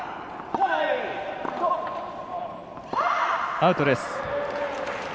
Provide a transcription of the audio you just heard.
アウトです。